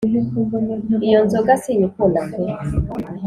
iyo nzoga sinyikunda pe